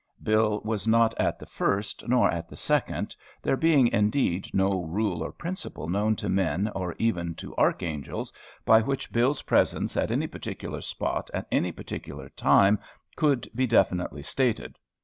Bill was not at the first, nor at the second, there being indeed no rule or principle known to men or even to archangels by which Bill's presence at any particular spot at any particular time could be definitely stated.